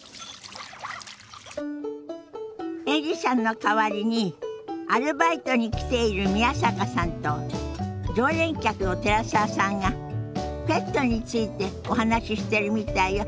エリさんの代わりにアルバイトに来ている宮坂さんと常連客の寺澤さんがペットについてお話ししてるみたいよ。